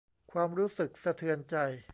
ความรู้สึกสะเทือนใจ